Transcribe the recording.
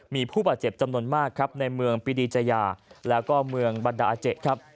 มีผู้บาดเจ็บจำนวนมากครับในเมืองปีดีจยาแล้วก็เมืองบรรดาอาเจครับ